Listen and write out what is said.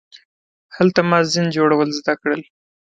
هلته ما زین جوړول زده کړل.